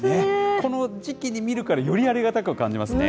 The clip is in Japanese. この時期に見るから、よりありがたく感じますね。